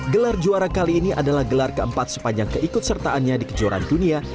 gelar juara kali ini adalah gelar keempat sepanjang keikut sertaannya di kejuaraan dunia